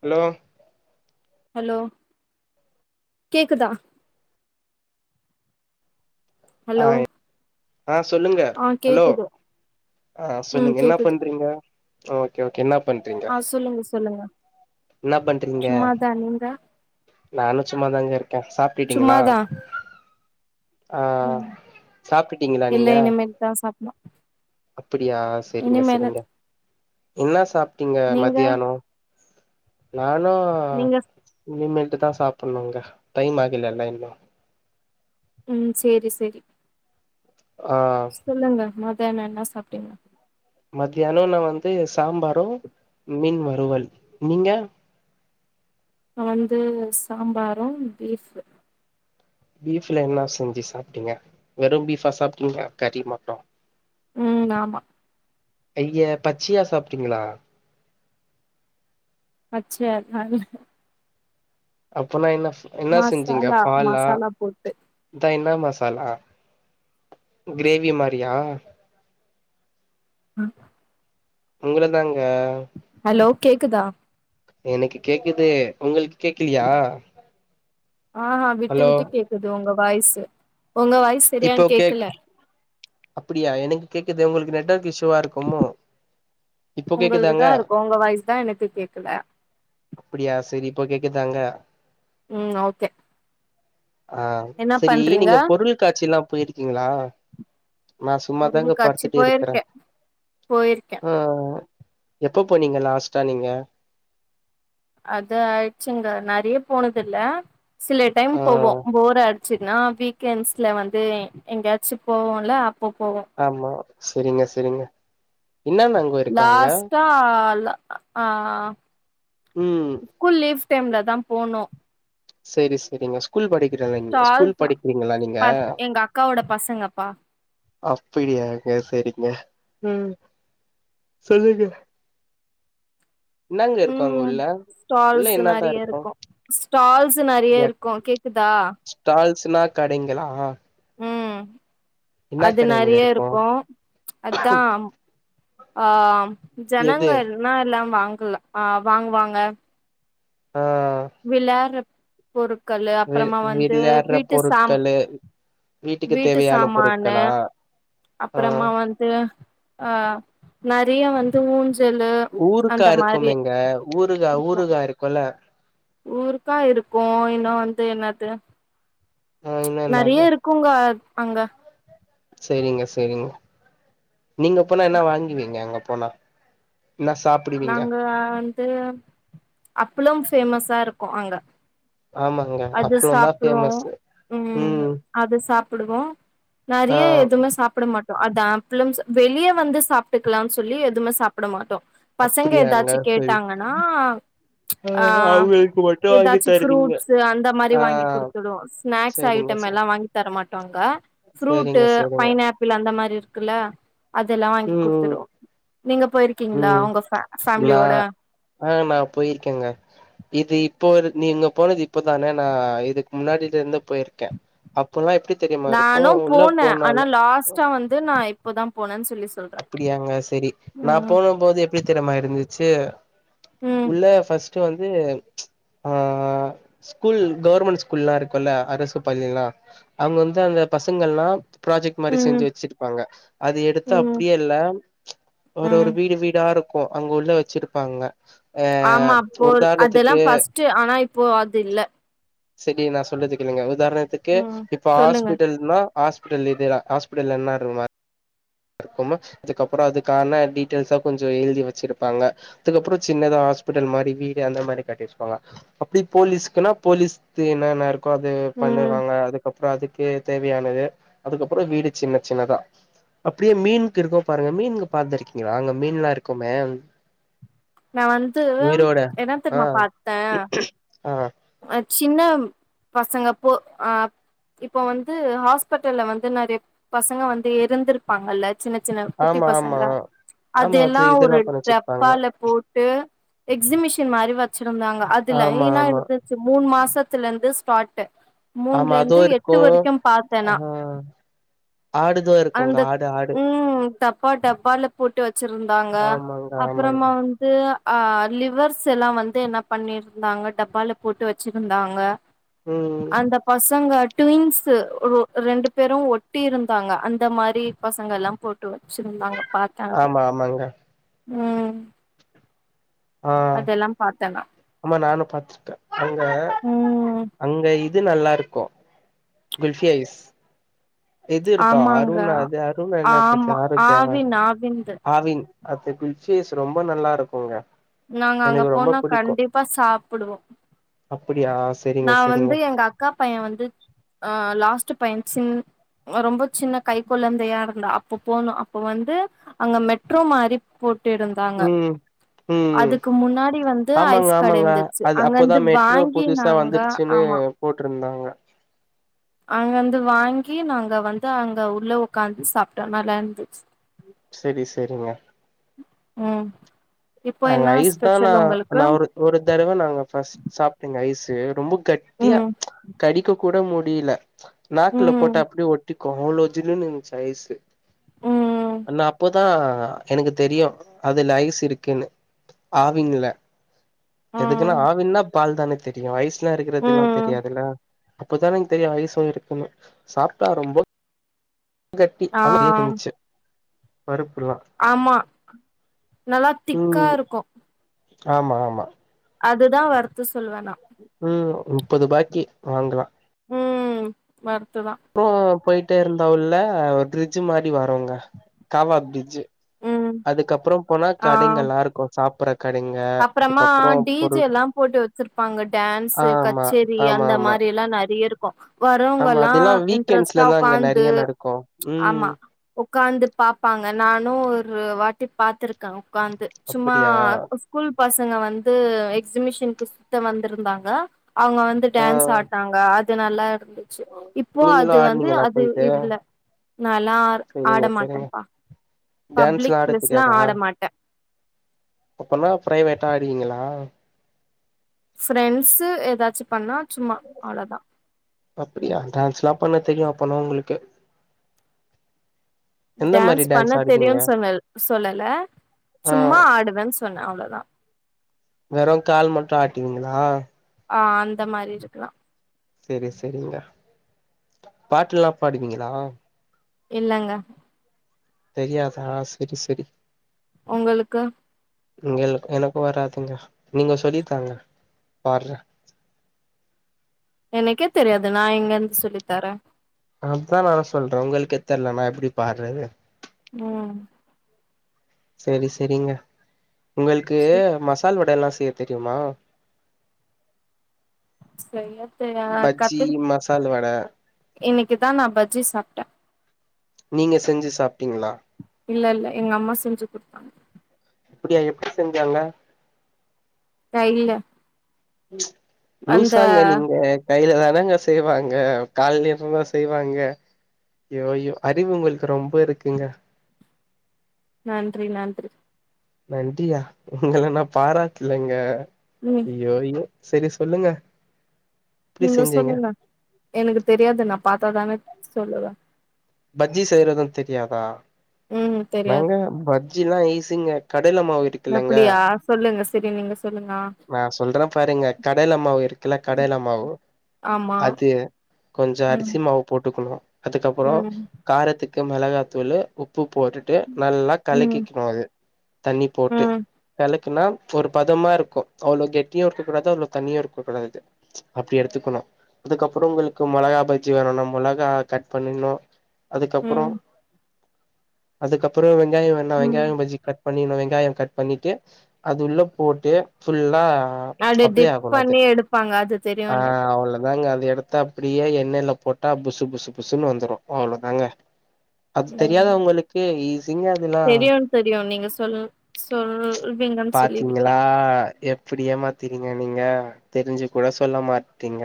Hello hello கேக்கதா ஆ ஆ சொல்லுங்க ஆ ஹலோ கேக்குது அ ம் சொல்லுங்க என்னா கேக்குது பண்றீங்க ஓகே ஓ ஆ சொல்லுங்க சொல்லுங்க என்ன பண்றீங்க சும்மாதா நீங்க நானு சும்மாதாங்க இரு க்கன் சாப்ட்டுட்டீங்களா சும்மாதா ஆ ம் சாப்ட்டுடீங்களா நீங்க மா அப்டியா செரிங்க செரிங்க என்ன சாப் ட்டிங்க நீங்க மதியானம் நானு நீங்க இனிமே ட்டுதா சாப்பணுங்க டைம் ஆகுலல்ல இன்னு ம் சேரி சேரி ஆ சொல்லுங்க ம தியானோ என்ன சாப்ட்டிங்க மத்தியானம் நா வந்து சாம்பாரும் மீன் வறுவல் நீங்க நா வந்து சாம்பாரும் பீஃபு பீஃப்ல என்ன செஞ்சி சாப்டிங்க வெறு பீஃபா சாப்ட்டிங்க கறி மட்டு ம் ஆமா ஐயே பச்சயா சாப்டிங்கிளா சே அப்பனா என்ன என்ன செஞ்சீங்க மசாலா ஃபாலா மசாலா போட்டு இதா என்ன மசா பாலா கிரேவி மாரியா ம் உங்கள தாங்க ஹலோ கேக்குதா எனக்கு கேக்குது உங்களுக்கு கேக்கலியா ஆஹா விட்டு விட்டு கேக்குது ஒங்க வாய்ஸு ஒங்க வாயஸ் சரியா இப்போ கேக் கேக்கல குது உங்களுக்கு நெட்டொர்க் இஷி கேக்குதாங்க உங்களுக்குதா இருக்கும் உங்க வாய்ஸ் தா எனக்கு கேக்கல இப்ப கேக்குதாங்க ம் ஓகே ஆ என்ன செரி பண்றீங்க நீங்க பொருள் சிலா போயிருக்கீங்களா நா சும்மாதாங்க அருள்காட்சி படுத்துட்டு இருக்குற போயிருக்கே போயிருக்கே ஆ எப்ப போனீங்க லாஸ்டா நீங்க அது ஆய்ச்சுங்க நறய போனது இல்ல சில டைம் ஆ போவோ போரா சுனா வீக்யென்ஸ்ல வந்து எங்கயாச்சு போவோல போவோ ஆமா சேரிங்க சேரிங்க லாஸ்டா ல ஆ ஆ ம் ஸ்கூல் லீஃப் டைம்லதா போனோ சேரி சேரிங்க ஸ்கூல் படி ஸ்டால்தா ப எங்க அக்காவோட பசங்கபா அப்டியாங்க சேரிங்க ம் சொல்லுங்க என்னங்க இருக்கு அங்க ம் உள்ள உள்ள ஸ்டால்ஸு என்னதா நெறைய இருக்கு ஸ்டால்ஸு நெறைய இருக்கு கேக்குதா ஸ்னா கடைங்களா ம் என்ன அது கடைங்க நெறைய இருக்கு அதா ஆ ம் எது ஜனங்கள்னா எல்லா வாங் [unintelligible] ஆ வாங்கு வாங்க ஆ வெளாரப் ஒரு கல்லு வி அப்புறமா வந்து விளையாடுற வீட்டு சம் பொருட்களு வீட்டுக்கு வீட்டு தேவையான சமானு பொருட்களா ஆ அப்புறமா வந்து ஆ நெறைய வந்து ஊஞ் ஊருக்கா இருக்குமில்லங்க ஊருகா இருக்கு ஊருகா இருக்குல அது என்னது ஆ இன்னு நெறைய என்னது இருக்குங்க அங்க சேரிங்க சேரிங்க நீங்க போனா என்ன வாங்கிவீங்க அங்க போனா என்ன சாப்பிடுவீங்க து அப்பளும் ஃபேமஸா இருக்கு அங்க ஆமாங்க அது அப்பளந்தா சாப்பிடுவோ ஃபேமஸு ம் அது சா அப்பிடுவோ ஆ நெறைய எதுமே சாப்புட மாட் அத ஆப்பிளம்ஸ் வெளிய வந்து சாப்புட்டுக்கலாம் சொல்லி எதுமே சாப்புட மாட்டோம் அப்புடியாங்க சரி ஆ அவங்களுக்கு மட்டு வாங்கி ஏதாச்சு தருவீங்க ஃப்ரூட்ஸு அந்த மாரி ஆ வாங்கி குடுத்துவோம் ஸ்நாக்ஸ் சரிங்க ஐட்டம் சார் எல்லா வாங்கி தர மாட்டோங்க ஃப்ரூட் சரிங்க சரிங்க பைனாப்பிள் அந்த மாரி இருக்குல்ல அதெல்லா வாங்கி ம் ம் குடுத்துடுவோம் ம் நா ஆ நா போயிருக்கேங்க இது இப் இப்போ நீங்க போனது இப்பதானே நா இதுக்கு முன்னாடில இருந்து போயிருக்கேன் நானு போனேன் ஆனா லாஸ்டா வந்து நா இப் இப்பதா போனேஸ் அப்புடியாங்க சரி நா போனு போது எப்டி தெரிமா இருந்துச் சு ம் உள்ள பஸ்ட் பஸ்ட் வந்து ச் ஆ ஸ்கூல் கவர்மண்ட் ஸ்கூல்லா இருக்குல்ல அரசு பள்ளியல்லா அவுங்க வந்து அந்த பசங்கள்லா புராஜெக்ட் மாரி ம் செஞ்சு வச்சிருப்பாங்க அது எடுத்து அப் ம் அப்டியே இல்ல ஒரு ஒரு ம் வீடு வீடா ரு கோ அங்க உள்ள வச்சிருப்பாங்க ஆ ஆமா அப்போ அதெல்லா உதாரணத்துக்கு பஸ்ட்டு ஆனா இப்போ அதுல்ல சரி நா சொல்லறதுக்கு நீங்க அவுர் உதார்ணத்துக்கு ம் இப்ப சொல்லுங்க ஹாஸ்பிடல்னா ஹாஸ்பிட்டல் இதுனா ஹாஸ்பிடல் என்ன இருக்குமா இருக்கு அதுக்கப்பற அதுக்கான டீடெய்ல்ஸா கொஞ்சோ எழுதி வச்சுருபாங்க அதுக்கப்பற சின்னதா ஹாஸ்பிட்டல் மாரி வீடு அந்த மாரி கட்டிருபாங்க அப்டி போலீஸ்குனா போலீஸ்து என்னன்ன கோ அது ம் பண்ணிருவாங்க அதுக்கப் அப்றோ அதுக்கு தேவையானது அதுக்கப்றோ வீடு சின்ன சின்னதா அப்டியே மீனுக் இருக்கும் பாருங்க மீனு பாத்துருக்கீங்களா அங்க மீன்லா இக்குமே நா வந்து என்ன ஆ தெரிமா பாத்தேன் ஆ சின்ன பசங்க போ அ இப்போ வந்து ஹாஸ்பிட்டல வந்து நெறைய பசங்க வந்து இருந்திருப்பாங்கல்ல சின்ன சின்ன குட்டி ஆமா ஆமா பசங்க ஆமா அது அதெல்லா ஒரு இதெல்லா பண்ணி வச்சிருப்பாங்க டப்பால போட்டு எக்ஸிமிஷன் மாரி வச் இருந்தாங்க அது ஆமா லைன்னா ஆமா மூணு மாசத்துல இருந்து ஸ்பார்ட் ஆமா அதுவு இருக்கு ஆ நா ஆடுதா இருக்குங்க ஆடு ஆடு பா டப்பால போட்டு வச் ச்சிருந்தாங்க ஆமாங்க அப்றமா ஆமாங்க வந்து ஆ லிவர்ஸ் எல்லா வந்து என்ன பண்ணிருந்தாங்க டப்பால. போட்டு வச்சுருந்தாங்க ம் அந்த பசங்க ட்வின்ஸ்சு ஓ ரெண்டு பேரு ஒட்டி இருந்தாங்க அந்த மாரி பசங்க எல்லா போட்டு இருந்தாங்க பாத்தே அது ஆமா ஆமாங்க ம் ஆ அதெல்லா பாத்தே நா ஆமா நானு பாத்த அங்க ம் அங்க இது நல்லா இருக்கு குல் ஃபி ஐஸ் எது இருக்கா ஆமாங்க அருண் அது அஅருண் என்னச்ச ஆமா ஆரோக்கியாவ ஆவின் ஆவின்து ஆவின் அதுக்கு குசிஐஸ் ரொம்ப நல்லா இருக்கும்ங்க நாங்க அங்க போனா கண்டிப்பா சாப்டுவோ அப்படியா செரிங்க நா செரிங்க வந்து எங்க அக்கா பைய வந்து ஆ லாஸ்ட் பைய சின் ரொம்ப சின்ன கை கொழந்தையா இருந்தா அப்ப போனோ அப்ப வந்து அங்க மெட்ரோ மாரி போட் இருந்தாங்க ம் ம் அதுக்கு முன்னாடி வந்து ஆமாங்க ஐஸ் ஆமாங்க கடைந்துச்சு அங்கருந்து வாங்கி நாங்க சின்ன போட்ட இருந்தாங்க அங்க வந்து வாங்கி நாங்க வந்து அங்க உள்ள ஓக்காந்து சாப்ட்டோ நல்லா இருந்துச்சு சேரி சேரிங்க ம் இப்போ அங்க என்ன ஐஸ் தா ஸ்பெஷல் உங்களுக்கு நா ஒரு ஒரு தடவ நாங்க ஃபர்ஸ்ட் சாப்பட்டேங்க ஐஸ் அது ரொம்ப கட்டியா ம் கடிக்க கூட மு முடியல நாக்குல போட்ட ம் அப்டிய ஒட் டி கொனோலோஜில இருந்துசு ஐஸ்சு ம் ஆன அப்போதா அ எனக்கு தெரியு அதுல ஐஸ் இரு க்குன்னு ஆவின்ல எதுக்குனா ம் ஆவின்னா பால் தான தெரியு ஐஸ் லா இருக்குறதுல்லா ம் தெரியாதுல்ல அப்பதா எனக் தெரியு ஐஸ்ஸு இருக்குன்னு சாப்ட்டா ரொம்ப கட்டி ஆ [unintelligible] இருந்துச்சு பரு ஆமா நல்லா திக்கா ம் இருக்கு ஆமா ஆமா அதுதா வர் த்து சொல்வே நா முப்பதுபாக்கி வாங்கலா ம் வர் ஓ போயிட் டே இருந்தா உள்ள ஒர் பிரிட்ஜு மாரி வருங்க காவா பிரிட்ஜு ம் அதுக்கப்றொ போனா கடைங்கல்லா இருக்கு சாப்புற கடைங்க அப்றமா அதுக்கப்றோ டி ஜே பொருள் எல்லா போட்டு வச்சிருப்பாங்க டான்ஸு ஆமா. கச்சேரி ஆமா, அந்த ஆமா. மாரி எல்லா நெறைய இரு க்கு ஆமா. வரவுங்கல்லா அதெல்லாம் இன்ட்ரெஸ்ட்டா வீக்கெண்ட்ஸ்ல தான் அங்க உக்காந்து நெறைய நடக்கும். ம். ஆமா உக்காந்து பாப்பாங்க நானு ஒரு வாட்டி பாத்துருக்க உக்காந்து சும்மா அப்படியா? பசங்க வந்து எக்ஸிபிஷனுக்கு சுத்த வந்துருந்தாங்க அவுங்க வந்து ஆ. டான்ஸ் ஆட்னாங்க அ து நல்லா இருந்துச்சு இப்போ அது நீங்களும் வந்து ஆடுனீங்களா அது போயிட்டு? இதுல்ல நால்லா ஆட சரிங்க, சரிங்க. மாட்டம்பா பப்ளிக் டான்ஸ்லாம் ஆடத் பிளேஸ்ல தெரியாதா? ஆட மாட்டே டா ஆடுவிங்களா ஃப்ரெண்ட்ஸு எதாச்சு பண்ணா சும்மா அவ்ளதா அப்புடியா டான்ஸ்லா பண்ண தெரியு அப்பனா உங்களுக்கு எந்த மாரி டான்ஸ் பண்ண ஆடுவீங்க? தெரியுன் சொன்ன சொல்லல ஆ சும்மா ஆடுவேன் சொன்னே அவ்ளதா வெறு கால் மட்டு ஆட்டுவீங்களா ஆ அந்த மாரி இருக்கலா சேரி சேரிங்க பாட்டெல்லா பாடுவீங்களா இல்லங்க தெரியாதா சேரி சேரி உங்களுக்கு ங்கள் எனக்கு வராதுங்க நீங்க சொல்லி தாங்க வர்ற எனக்கே தெரியாது நா எங்கருந்து சொல்லி தரே அதா நானு சொல்ற உங்களுக்கு தெர்லனா எப்புடி பாடுறது ம் சேரி சேரிங்க உங்களுக்கு மசால் வட எல்லா செய்ய தெரியுமா செய்ய தெரியா பஜ்ஜி கத்து மசால் வட இன்னைக்குதா நா பஜ்ஜி சாப்ட நீங்க செஞ்சு சாப்டீங்களா இல்ல இல்ல எங்க அம்மா செஞ்சு குடுத்தாங்க இப்புடியா எப்டி செஞ்சாங்க கைல ம் அந்த லூசாங்க நீங்க கையில தானாங்கஸ் செய்வாங்க கால்லியாங்க செய்வாங்க யோ யோ அறிவு உங்களுக்கு ரொம்ப இருக்குங்க நன்றி நன்றி நன்றியா உங்கள நா பாராட்லங்க ம் யோ யோ சேரிஸ் சொல்லுங்க எப்டி நீங்க செஞ்சீங்க சொல்லுங்க எனக்கு தெரியாது நா பாத்தாதான சொல்லுகா பஜ்ஜி செய்யறதுன் தெரியாதா ம் தெரியாது நாங்க பஜ்ஜில்லா ஈஸ் துங்க கட் கடல மாவு இருக்குல்லங்க அப்டியா சொல்லுங்க செரி நீங்க சொல்லுங்க நா சொல்ற பாருங்க கடல மாவு இருக்குல்ல கடல மாவு ஆமா அது கொஞ்சோ ம் அரிசி மாவு போட்டுக்கணு அதுக்கப்புறோ ம் காரத்துக்கு மெளகாத்தூளு உப் உப்பு போட்டுட்டு நல்லா ம் கலக்கிக்கணு அது தண்ணி போட்டு ம் கலக் குன்னா ஒரு பதமா இருக்கு அவ்ளோ கெட்டியு இருக்க கூடாது அவ்ளோ தண்ணியு இருக்கக் கூடாது அப்டி எடுத்துக்கணு அதுக்கப்புறோ உங்களுக்கு மொளகா பஜ்ஜி வேணுன்னா மொளகா கட் பண்ணிர்னு அதுக்கப்புறம் ம் அதுக்கப்புறம் வெ ங்காயம் வேண்ணா ம் வெங்காயமா பஜ்ஜி கட் பண்ணிகனும் வெங்காயம் கட் பண்ணிட்டு அது உள்ள போட்டு ஃபுல்லா அது அப்ளை டிப் ஆகணு அது பண்ணி எடுப்பாங்க அது தெரியும் ஆ எனக்கு அவ்ளோதாங்க அத எடுத்த அப்டியே எண்ணெயில போட்டா புசு புசு புசுன்னு வந்துரும் அவ்ளோ தாங்க அது தெரியாத உங்களுக்கு ஈ தெரியும் தெரியும் நீங்க சொல் சொல்வீங்கன்னு சொல்லி விட்ட அப்டி ஏமாத்திறிங்க நீங்க தெரிஞ்சி கூட சொல்ல மாட்றிங்க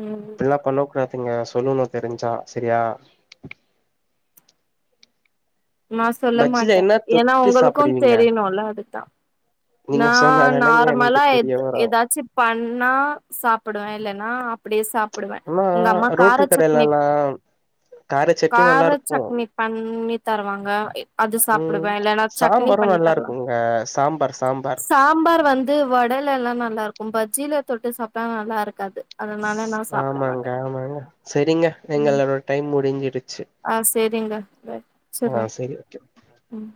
ம் இப்பில்லாம் பண்ண கூடா துங்க சொல்லணும் தெரிஞ்சா சரியா நான் சொல்ல பஜ்ஜில மாட்டே என்ன ஏன்னா தொட்டு ஒங்களுக்கும் சாப்டுவீங்க தெரியிணும் இல்ல அதுக்கு தா நீங்க நான் சொன்னாதானங்க எனக்கு நார்மலா தெரிய எதா வரு எதாச்சும் பண்ணா சாப்டுவன் இல்லன்னா அப்டே சாப் ஃபுல்லா ரோட்டு கடைல எல்லாம் காரச்சட்டினியும் கார நல்லா இருக்கும் சட்னி பண்ணி தருவாங்க அது ம் சாப்பிடுவே இல்லன்னா சட்னி சாம்பாரும் பண்ணி நல்லா தருவாங்க இருக்குங்க சாம்பார் சாம்பார் சாம்பார் வந்து வடைலலாம் நல்லா இருக்கும் பஜ்ஜில ல தொட்டு சாப்ட்டா நல்லா இருக்காது அதனால நா சாப்ட ஆமாங்க மாட்டே ஆமாங்க செரிங்க எங்களோட டைம் முடிஞ்சிருச்சி ஆ செரிங்க வச்சறே சரி ம்